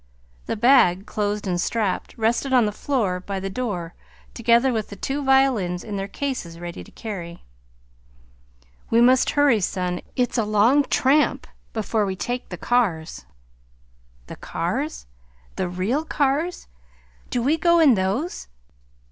The bag, closed and strapped, rested on the floor by the door, together with the two violins in their cases, ready to carry. "We must hurry, son. It's a long tramp before we take the cars." "The cars the real cars? Do we go in those?"